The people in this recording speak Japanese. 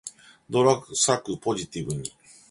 泥臭く、ポジティブに